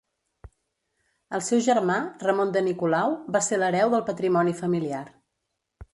El seu germà, Ramon de Nicolau, va ser l'hereu del patrimoni familiar.